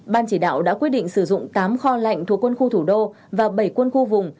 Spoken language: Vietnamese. ban chỉ đạo đã quyết định sử dụng tám kho lạnh thuộc quân khu thủ đô và bảy quân khu vùng